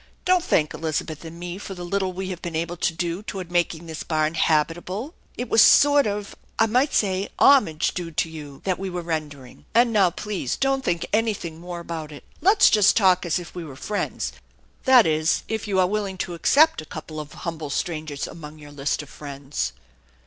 Don't thank Elizabeth and me for the little we have been able to do toward making this barn habitable. It was a sort of I might say homage, due to you, that we were rendering. And now please don't think any thing more about it. Let's just talk as if we were friends that is, if you are willing to accept a couple of humble strangers among your list of friends."